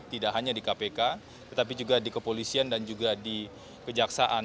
tidak hanya di kpk tetapi juga di kepolisian dan juga di kejaksaan